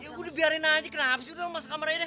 ya gua dibiarkan aja kenapa sih lo masuk kamarnya deh